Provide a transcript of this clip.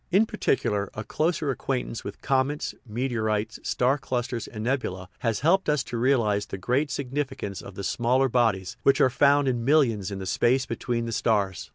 In particular, a closer acquaintance with comets, meteorites, star clusters, and nebulae has helped us to realize the great significance of the smaller bodies which are found in millions in the space between the stars.